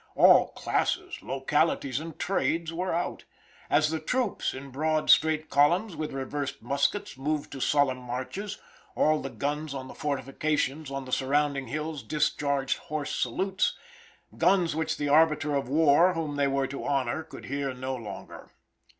All classes, localities and trades were out. As the troops in broad, straight columns, with reversed muskets, moved to solemn marches, all the guns on the fortifications on the surrounding hills discharged hoarse salutes guns which the arbiter of war whom they were to honor could hear no longer.